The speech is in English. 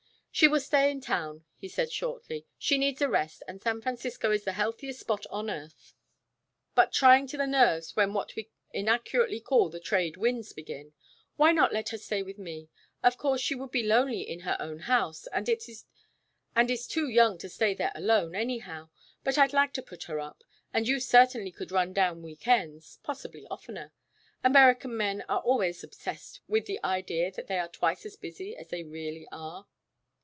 "She will stay in town," he said shortly. "She needs a rest, and San Francisco is the healthiest spot on earth." "But trying to the nerves when what we inaccurately call the trade winds begin. Why not let her stay with me? Of course she would be lonely in her own house, and is too young to stay there alone anyhow, but I'd like to put her up, and you certainly could run down week ends possibly oftener. American men are always obsessed with the idea that they are twice as busy as they really are."